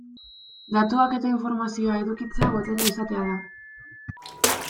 Datuak eta informazioa edukitzea, boterea izatea da.